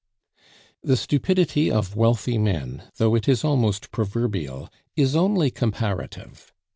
The stupidity of wealthy men, though it is almost proverbial, is only comparative.